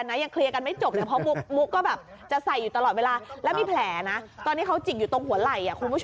มุ้ยังไม่ได้เป็นห่านพะโล้ใช่ไหมลูก